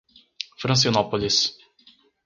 Francinópolis